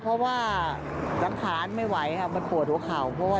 เพราะว่าสังขารไม่ไหวค่ะมันปวดหัวเข่าเพราะว่า